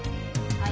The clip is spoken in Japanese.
はい。